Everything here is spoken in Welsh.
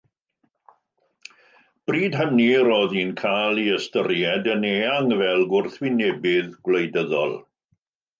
Bryd hynny, roedd hi'n cael ei hystyried yn eang fel gwrthwynebydd gwleidyddol.